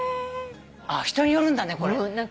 人によるんだねこれ。